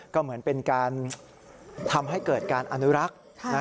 ก็เหมือนเป็นการทำให้เกิดการอนุรักษ์